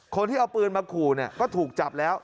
คนที่เอาปืนมาขู่เนี่ยก็ถูกจับแล้ว